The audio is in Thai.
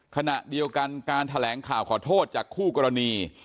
ขณะเดียวกันการแถลงข่าวขอโทษจากคู่กรณี